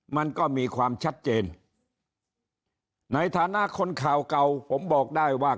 มันก็มีความชัดเจนในฐานะคนข่าวเก่าผมบอกได้ว่า